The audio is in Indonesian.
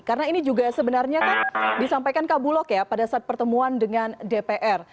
karena ini juga sebenarnya disampaikan kak bulok ya pada saat pertemuan dengan dpr